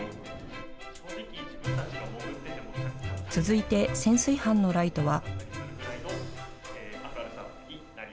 続いて、潜水班のライトは。